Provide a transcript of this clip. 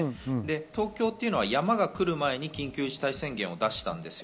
東京は山が来る前に緊急事態宣言を出したんですよ。